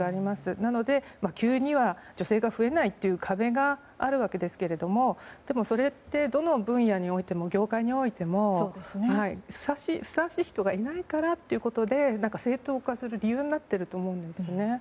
なので、急には女性が増えないという壁があるわけですけどでも、それはどの分野、業界においてもふさわしい人がいないからってことで正当化する理由になっていると思うんですよね。